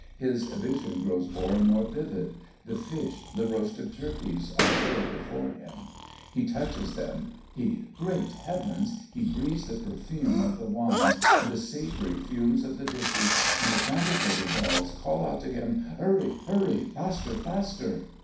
His vision grows more and more vivid; the fish, the roasted turkeys, are there before him; he touches them; he great Heavens! he breathes the perfume of the wines and the savory fumes of the dishes, and the frantic little bell calls out to him, "Hurry, hurry! Faster, faster!"